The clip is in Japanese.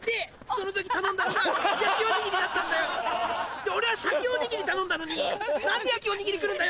で俺は鮭おにぎり頼んだのに何で焼きおにぎり来るんだよ！